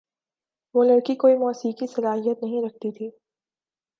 وہ لڑکی کوئی موسیقی صلاحیت نہیں رکھتی تھی۔